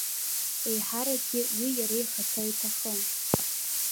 Еиҳаракгьы, уи иара ихаҭа иҭахым.